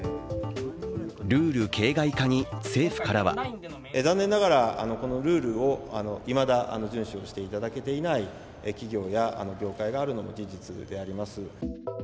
ルール形骸化に政府からは残念ながらこのルールをいまだ遵守していただけていない企業や業界があるのが事実であります。